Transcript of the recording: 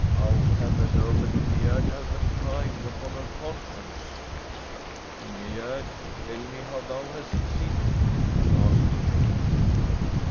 ' How can the noble Ingegerd have a crime upon her conscience ?'' Ingegerd, tell me how thou hast sinned/ he asked again.